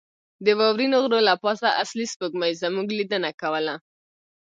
د واورینو غرو له پاسه اصلي سپوږمۍ زموږ لیدنه کوله.